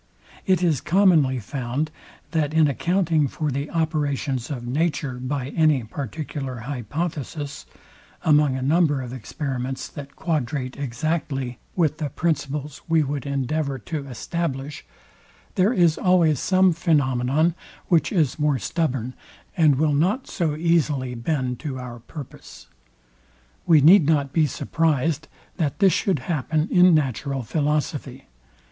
It is commonly found, that in accounting for the operations of nature by any particular hypothesis; among a number of experiments, that quadrate exactly with the principles we would endeavour to establish; there is always some phænomenon, which is more stubborn, and will not so easily bend to our purpose. We need not be surprized, that this should happen in natural philosophy.